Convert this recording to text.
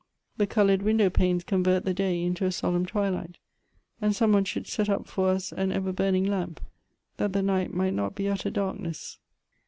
The colored window panes convert the day into a solemn twilight ; and some one should set up for us an ever burning lamp, that the night might not be utter darkness."